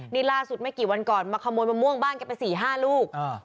นี่ล่าสุดไม่กี่วันก่อนมาขโมยมะม่วงบ้านแกไป๔๕ลูก